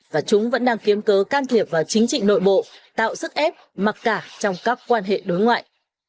và chúng vẫn đang kiếm cớ can thiệp vào chính trị nội bộ tạo sức ép mặc cả trong các quan hệ đối ngoại